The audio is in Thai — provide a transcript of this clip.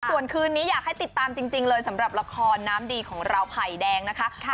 ส่วนคืนนี้อยากให้ติดตามจริงเลยสำหรับละครน้ำดีของเราไผ่แดงนะคะ